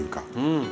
うん。